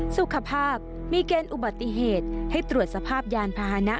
สุขภาพมีเกณฑ์อุบัติเหตุให้ตรวจสภาพยานพาหนะ